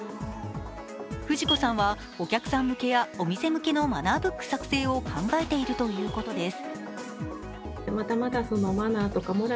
フジコさんはお客さん向けやお店向けのマナーブック作成を考えているということです。